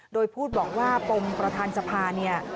โดยพูดบอกว่าปมประธานสภาเนี่ย